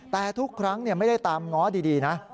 แต่ทุกครั้งไม่ได้ตามง้อดีนะ